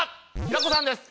平子さんです。